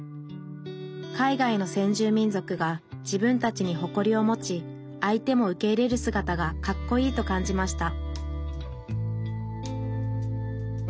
海外の先住民族が自分たちに誇りを持ち相手も受け入れるすがたがかっこいいと感じました